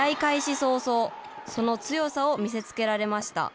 早々、その強さを見せつけられました。